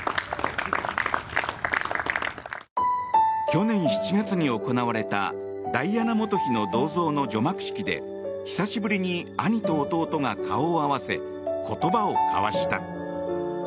去年７月に行われたダイアナ元妃の銅像の除幕式で久しぶりに兄と弟が顔を合わせ言葉を交わした。